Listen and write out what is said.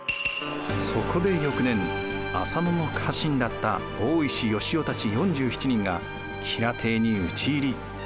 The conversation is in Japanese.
そこで翌年浅野の家臣だった大石良雄たち４７人が吉良邸に討ち入り。